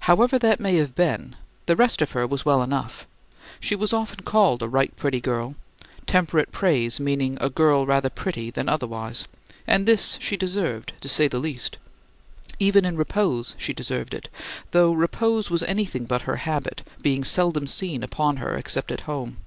However that may have been, the rest of her was well enough. She was often called "a right pretty girl" temperate praise meaning a girl rather pretty than otherwise, and this she deserved, to say the least. Even in repose she deserved it, though repose was anything but her habit, being seldom seen upon her except at home.